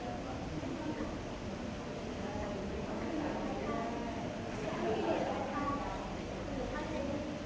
สวัสดีครับสวัสดีครับ